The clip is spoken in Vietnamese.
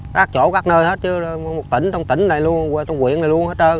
các chỗ các nơi hết chứ một tỉnh trong tỉnh này luôn trong quyện này luôn hết trơn